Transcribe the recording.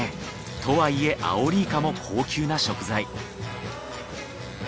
とはいえアオリイカも高級な食材。